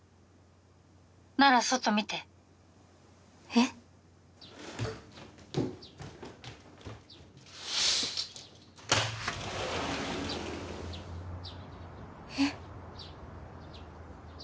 ☎なら外見てえっ？えっ？